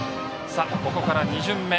ここから２巡目。